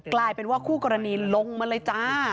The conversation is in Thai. กลายเป็นว่าคู่กรณีลงมาเลยจ้า